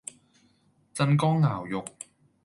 鎮江肴肉